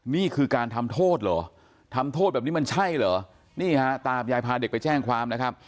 นี่คือการทำโทษเหรอทำโทษแบบนี้มันใช่เหรอนี่ฮะตามยายพาเด็กไปแจ้งความนะครับ